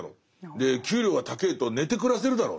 で給料が高ぇと寝て暮らせるだろって。